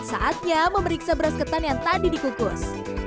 saatnya memeriksa beras ketan yang tadi dikukus